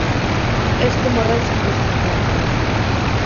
Este morreu sen descendencia.